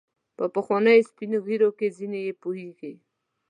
په پخوانیو سپین ږیرو کې ځینې یې پوهیږي.